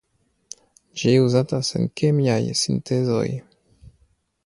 Ĝi uzatas en kemiaj sintezoj.